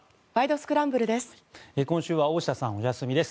スクランブル」です。